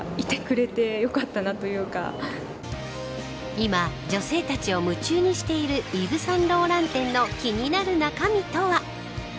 今、女性たちを夢中にしているイヴ・サンローラン展の気になる中身とは。